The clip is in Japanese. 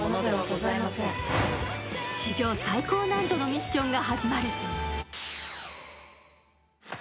史上最高難度のミッションが始まる。